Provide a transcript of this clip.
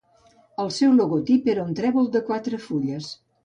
El seu logotip era un trèvol de quatre fulles.